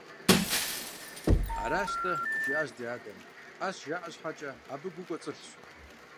– Аращ–тӀэ, – жиӀащ ди адэм, – Ӏэщ жаӀэ щхьэкӀэ, абыи гу кӀуэцӀылъщ.